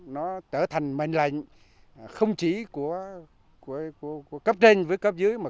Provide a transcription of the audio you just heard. nó trở thành mạnh lành không chỉ của cấp trên với cấp dưới